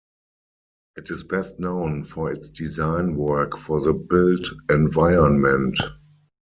It is best known for its design work for the built environment.